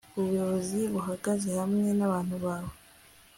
ubuyobozi buhagaze hamwe nabantu bawe